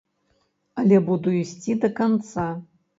Але буду ісці да канца.